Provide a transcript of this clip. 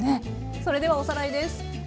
それではおさらいです。